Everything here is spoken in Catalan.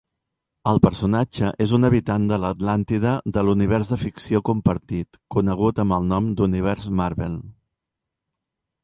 El personatge és un habitant de l'Atlàntida de l'univers de ficció compartit conegut amb el nom d'Univers Marvel.